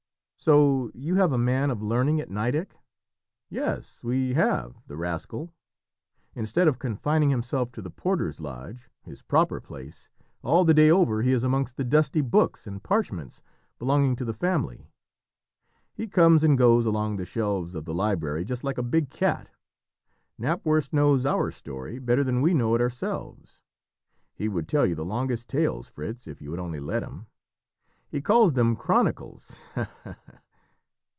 "So you have a man of learning at Nideck?" "Yes, we have, the rascal! Instead of confining himself to the porter's lodge, his proper place, all the day over he is amongst the dusty books and parchments belonging to the family. He comes and goes along the shelves of the library just like a big cat. Knapwurst knows our story better than we know it ourselves. He would tell you the longest tales, Fritz, if you would only let him. He calls them chronicles ha, ha!"